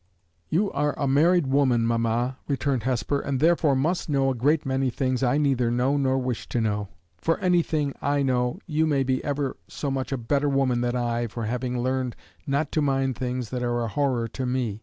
"You are a married woman, mamma," returned Hesper, "and therefore must know a great many things I neither know nor wish to know. For anything I know, you may be ever so much a better woman than I, for having learned not to mind things that are a horror to me.